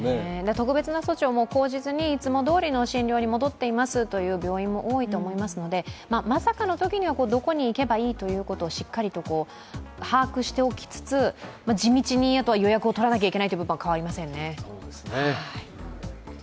特別な措置を講じずにいつもどおりの診療に戻っていますという病院も多いと思いますので、まさかのときにはどこに行けばいいというのをしっかりと把握しておきつつ地道にあとは予約を取らなければいけない部分は変わりませんね。